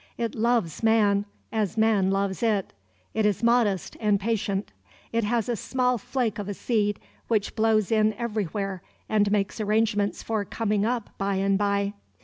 It loves man as man loves it. It is modest and patient. It has a small flake of a seed which blows in everywhere and makes arrangements for coming up by and by.